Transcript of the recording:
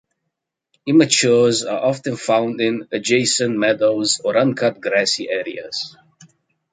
Immatures are often found in adjacent meadows or uncut grassy areas.